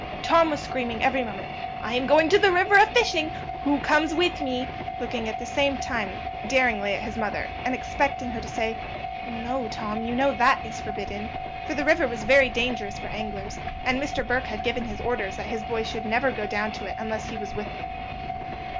Tom was screaming every moment, "I am going to the river a fishing who comes with me?" looking at the same time daringly at his mother, and expecting her to say, "No, Tom; you know that is forbidden;" for the river was very dangerous for anglers, and Mr. Burke had given his orders that his boys should never go down to it unless he was with them.